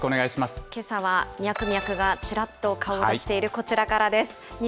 けさはミャクミャクがちらっと顔を出しているこちらからです。